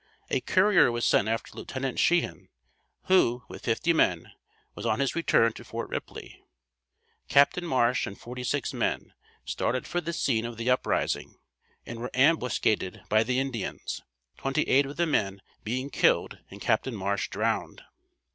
A courier was sent after Lieut. Shehan, who with fifty men, was on his return to Fort Ripley. Capt. Marsh and forty six men, started for the scene of the uprising, and were ambuscaded by the Indians, twenty eight of the men being killed and Capt. Marsh drowned.